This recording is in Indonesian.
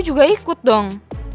gue juga ikut dong